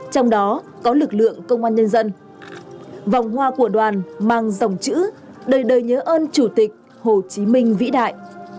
trong đó có lực lượng công an nhân dân vòng hoa của đoàn mang dòng chữ đời đời nhớ ơn chủ tịch hồ chí minh vĩ đại